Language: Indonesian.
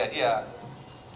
kalau misalnya nih